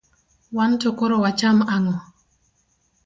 wanto koro wacham ang'o?